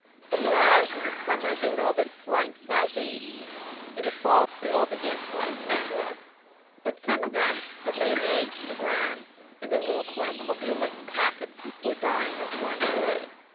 But whereas in the summer they had all been flying southeast, in the fall they all began flying northwest. "But some of them had laid eggs in the ground in little cornucopia like packets before dying or flying away.